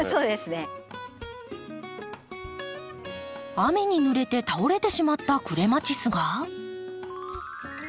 雨にぬれて倒れてしまったクレマチスがサンゴ